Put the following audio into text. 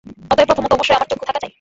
অতএব প্রথমত অবশ্যই আমার চক্ষু থাকা চাই।